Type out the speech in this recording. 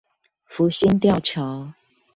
福興吊橋